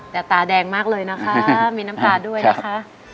แต่ตาแดงมากเลยนะคะมีน้ำตาด้วยนะคะ